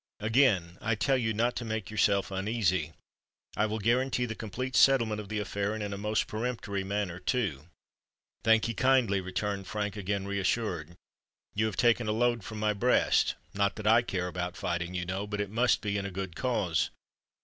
Again I tell you not to make yourself uneasy: I will guarantee the complete settlement of the affair—and in a most peremptory manner too." "Thank'ee kindly," returned Frank, again reassured. "You have taken a load from my breast: not that I care about fighting, you know—but it must be in a good cause.